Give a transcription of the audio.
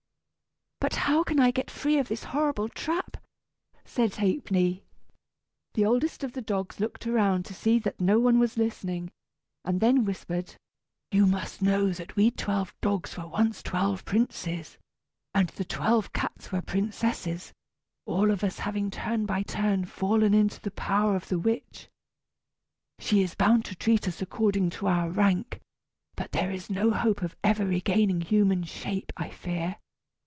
"But how can I get free of this horrible trap?" said Ha'penny. The oldest of the dogs looked around to see that no one was listening, and then whispered: "You must know that we twelve dogs were once twelve princes, and the twelve cats were princesses all of us having turn by turn fallen into the power of the witch. She is bound to treat us according to our rank, but there is no hope of ever regaining human shape, I fear.